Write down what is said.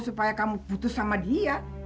supaya kamu butuh sama dia